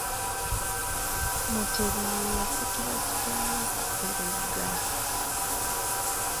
MUTEBI ye yasikira kitaawe Kateregga.